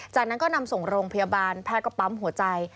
จากนั้นก็นำส่งโรงพยาบาลแพทย์ก็ปั๊มหัวใจ